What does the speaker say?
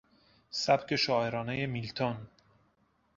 سبک شاعرانهی میلتون